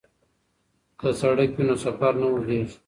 که سړک وي نو سفر نه اوږدیږي.